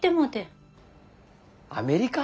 アメリカ？